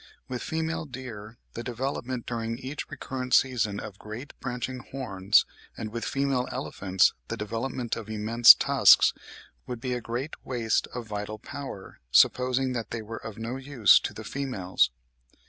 With female deer the development during each recurrent season of great branching horns, and with female elephants the development of immense tusks, would be a great waste of vital power, supposing that they were of no use to the females.